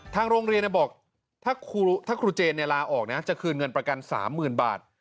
ทางโรงเรียนบอกถ้าครูเจนลาออกนะจะคืนเงินประกัน๓๐๐๐บาท